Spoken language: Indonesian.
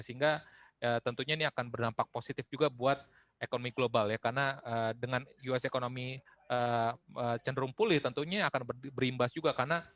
sehingga tentunya ini akan berdampak positif juga buat ekonomi global ya karena dengan us ekonomi cenderung pulih tentunya akan berimbas juga karena